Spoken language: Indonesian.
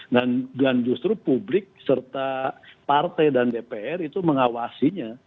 dan justru publik serta partai dan dpr itu mengawasinya